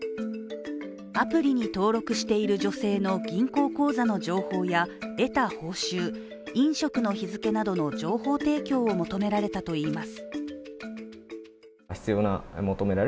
アプリに登録している女性の銀行口座の情報や得た報酬飲食の日付などの情報提供を求められたといいます。